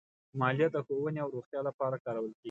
مالیه د ښوونې او روغتیا لپاره کارول کېږي.